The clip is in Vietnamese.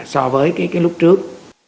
so với cái lúc trước